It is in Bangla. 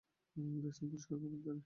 ড্রেসিং, পরিষ্কার কাপড় ইত্যাদি।